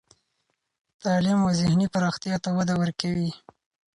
تعلیم و ذهني پراختیا ته وده ورکوي.